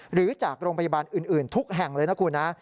หรือจากโรงพยาบาลอื่นทุกแห่งเลยนะคุณนะ